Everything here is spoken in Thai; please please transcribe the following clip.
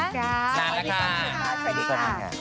สวัสดีค่ะสวัสดีค่ะ